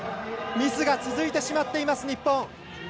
ミスが続いてしまっています日本。